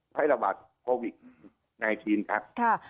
ภัยระบาดโควิดในทีนนะครับ